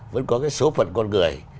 vẫn có cái số phận con người